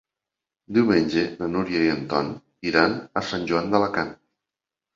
Diumenge na Núria i en Tom iran a Sant Joan d'Alacant.